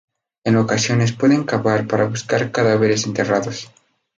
En ocasiones pueden cavar para buscar cadáveres enterrados.